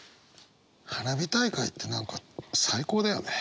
花火大会って何か最高だよね。